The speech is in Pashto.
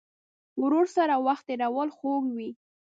ورور سره وخت تېرول خوږ وي.